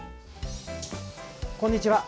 こんにちは。